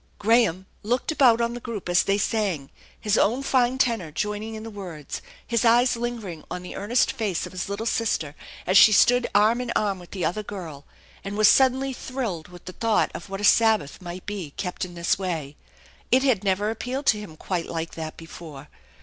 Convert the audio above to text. Graham looked about on the group as they sang, his own fine tenor joining in the words, his eyes lingering on the earnest face of his little sister as she stood arm in arm with the other girl, and was suddenly thrilled with the thought of what a Sabbath might be, kept in this way. It had never appealed to him quite like that before.